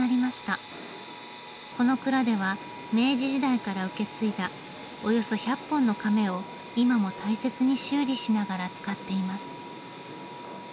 この蔵では明治時代から受け継いだおよそ１００本のかめを今も大切に修理しながら使っています。